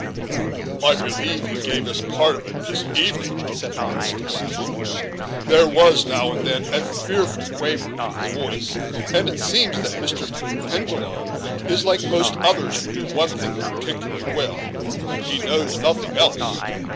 "I believe he gave us part of it this evening," said Marmaduke, laughing. "There was, now and then, a fearful quaver in his voice, and it seems that Mr. Penguillian is like most others who do one thing particularly well; he knows nothing else.